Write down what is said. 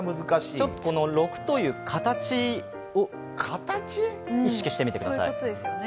この６という形を意識してみてください。